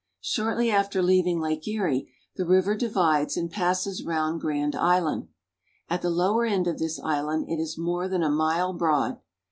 Shortly after leaving Lake Erie, the river divides and passes round Grand Island. At the lower end of this island it is more than a mile broad.